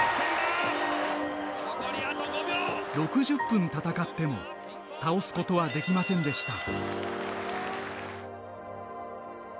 ６０分戦っても倒すことはできませんでした。